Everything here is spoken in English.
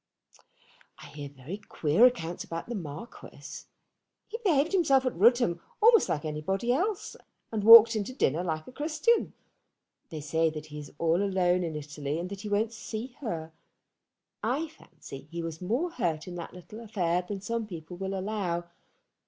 "I hear very queer accounts about the Marquis. He behaved himself at Rudham almost like anybody else, and walked into dinner like a Christian. They say that he is all alone in Italy, and that he won't see her. I fancy he was more hurt in that little affair than some people will allow.